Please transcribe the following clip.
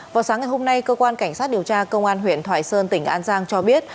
vào sáng ngày hôm nay cơ quan cảnh sát điều tra công an huyện thoại sơn tỉnh an giang cho biết